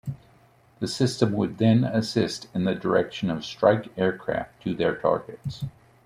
The system would then assist in the direction of strike aircraft to their targets.